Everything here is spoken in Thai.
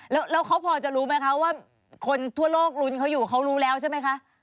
แล้วเขาพอจะรู้ไหมคะว่าคนทั่วโลกรุ้นเขาอยู่เขารู้แล้วใช่ไหมคะ